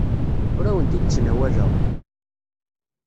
Ur awent-d-ttnawaleɣ.